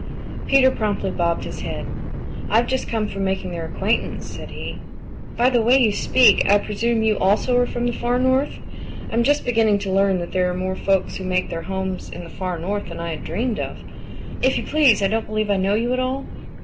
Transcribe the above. Peter promptly bobbed his head. "I've just come from making their acquaintance," said he. "By the way you speak, I presume you also are from the Far North. I am just beginning to learn that there are more folks who make their homes in the Far North than I had dreamed of. If you please, I don't believe I know you at all."